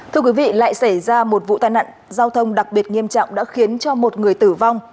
thưa quý vị lại xảy ra một vụ tai nạn giao thông đặc biệt nghiêm trọng đã khiến cho một người tử vong